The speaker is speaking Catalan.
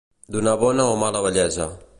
Donar bona o mala vellesa.